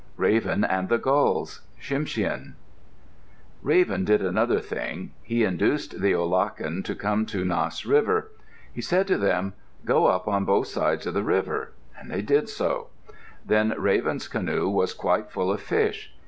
RAVEN AND THE GULLS Tsimshian Raven did another thing. He induced the olachen to come to Nass River. He said to them, "Go up on both sides of the river." They did so. Then Raven's canoe was quite full of fish.